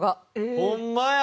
ホンマや！